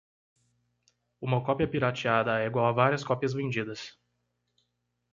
Uma cópia "pirateada" é igual a várias cópias vendidas.